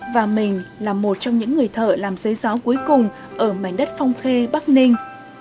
và mình là một trong những người thợ làm giới gió cuối cùng ở mảnh đất phong khê bắc ninh